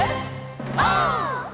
オー！